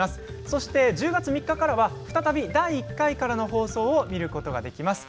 そして、１０月３日からは再び第１回からの放送を見ることができます。